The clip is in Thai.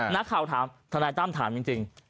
นักข่าวถามทนายตั้มถามจริง